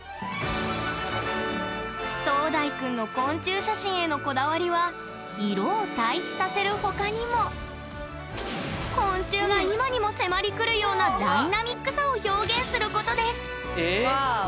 壮大くんの昆虫写真へのこだわりは色を対比させる他にも昆虫が今にも迫り来るようなダイナミックさを表現することですワーオ！